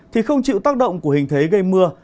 thì không chịu tác động của hình thế gây mưa